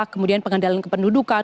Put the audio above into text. kemudian pengendalian kependudukan